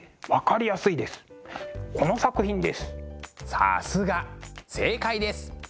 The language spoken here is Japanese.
さすが正解です。